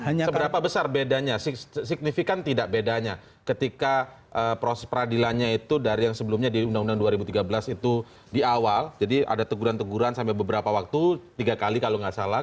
seberapa besar bedanya signifikan tidak bedanya ketika proses peradilannya itu dari yang sebelumnya di undang undang dua ribu tiga belas itu di awal jadi ada teguran teguran sampai beberapa waktu tiga kali kalau nggak salah